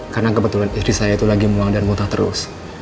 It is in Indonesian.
karena kebetulan istri saya lagi muang dan mutah terus